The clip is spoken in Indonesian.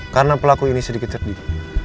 karena pelaku ini sedikit cerdik